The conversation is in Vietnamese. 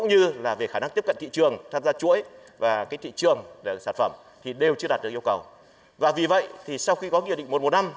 như là về khả năng tiếp cận thị trường tham gia chuỗi và cái thị trường sản phẩm thì đều chưa đạt được yêu cầu và vì vậy thì sau khi có nghị định một trăm một mươi năm